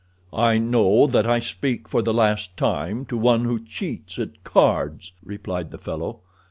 "I know that I speak, for the last time, to one who cheats at cards," replied the fellow.